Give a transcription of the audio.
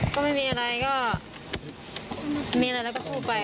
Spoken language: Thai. ก็ไม่มีอะไรก็มีอะไรแล้วก็พูดไป